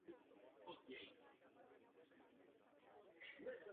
I nadále však byla tato území spravována dle moravských zákonů.